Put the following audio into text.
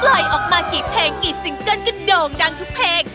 ออกมากี่เพลงกี่ซิงเกิ้ลก็โด่งดังทุกเพลง